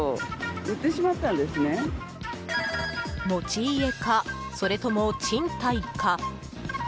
持ち家か、それとも賃貸か。